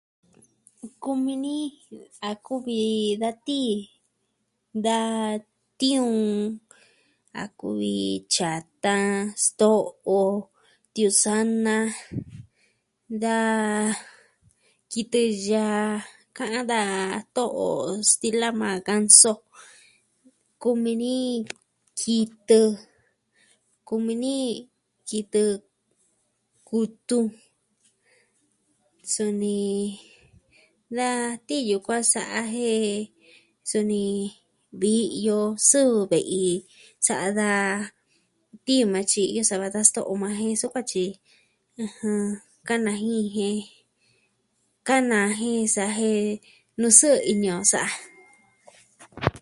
Kumi ni a kuvi da tii, da tiuun, a kuvi tyata, sto'o, tiuun sana. Da kitɨ ya'a ka'an daa to'o stila maa ganso. Kumi ni kitɨ, kumini ni kitɨ kutu, suni, da tiyu kua'an sa'a jen, suni, vi iyo sɨɨ ve'i. Tiuun maa tyi iyo sava da sto'o o maa jen suu kuatyi. ɨjɨn, Kanaji jen, kanaji sa jen nuu sɨɨ ini o sa.